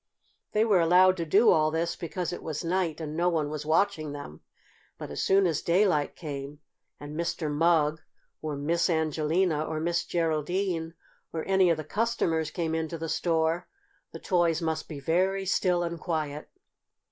They were allowed to do all this because it was night and no one was watching them. But as soon as daylight came and Mr. Mugg or Miss Angelina or Miss Geraldine or any of the customers came into the store, the toys must be very still and quiet.